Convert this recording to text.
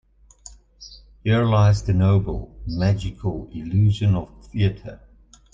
Here lies the noble, magical illusion of theater.